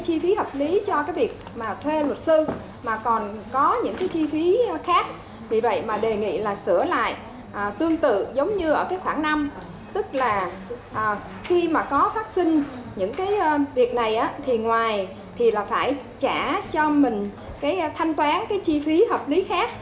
các đại biểu cho rằng cần phải bồi sung quy định rõ ràng hơn